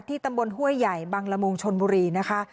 ตำบลห้วยใหญ่บังละมุงชนบุรีนะคะ